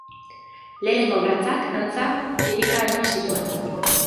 Lehenengo urratsak, antza, lirika eman zituen.